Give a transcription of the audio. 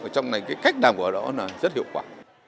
trong này cái cách đàm của họ đó là rất hiệu quả